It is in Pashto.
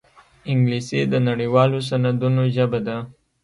انګلیسي د نړيوالو سندونو ژبه ده